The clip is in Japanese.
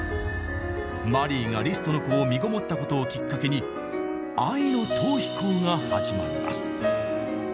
マリーがリストの子をみごもったことをきっかけに愛の逃避行が始まります。